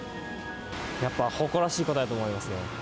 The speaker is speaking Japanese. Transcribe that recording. やっぱ誇らしいことだと思いますね。